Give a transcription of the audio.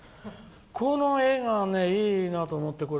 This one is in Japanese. この絵、いいなと思って。